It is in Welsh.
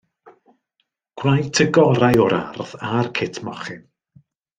Gwnaent y gorau o'r ardd a'r cut mochyn.